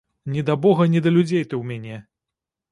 Ні да бога, ні да людзей ты ў мяне!